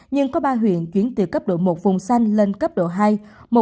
nhưng có ba huyện chuyển từ cấp độ một vùng xanh lên cấp độ hai